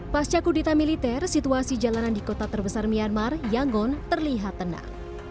pada saat kudeta militer situasi jalanan di kota terbesar myanmar yangon terlihat tenang